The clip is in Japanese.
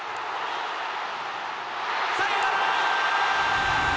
サヨナラ！